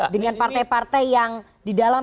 dengan partai partai yang di dalam